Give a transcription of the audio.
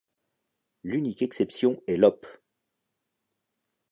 L'unique exception est l'op.